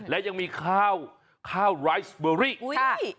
และยังมีข้าวข้าวไรซ์เบอรี่